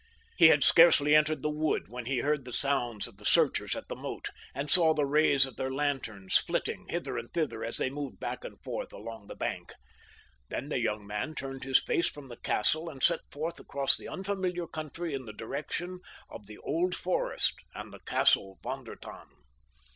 He had scarcely entered the wood when he heard the sound of the searchers at the moat, and saw the rays of their lanterns flitting hither and thither as they moved back and forth along the bank. Then the young man turned his face from the castle and set forth across the unfamiliar country in the direction of the Old Forest and the castle Von der Tann.